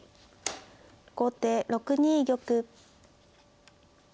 後手６二玉。